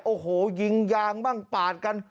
โอ้โหยิงยางบ้างปาดกัน